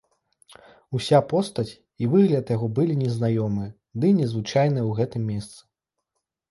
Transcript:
Уся постаць і выгляд яго былі незнаёмыя ды незвычайныя ў гэтым месцы.